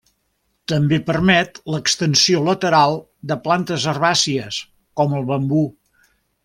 També permet l'extensió lateral de plantes herbàcies com el bambú.